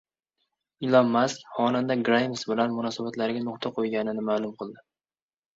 Ilon Mask xonanda Grayms bilan munosabatlariga nuqta qo‘yganini ma’lum qildi